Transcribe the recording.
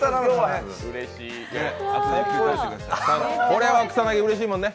これは草薙、うれしいもんね？